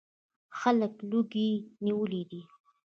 خلک لوږې نیولي دي.